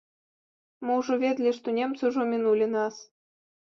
Мы ўжо ведалі, што немцы ўжо мінулі нас.